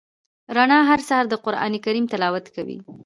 رڼا هر سهار د قران کریم تلاوت کوي.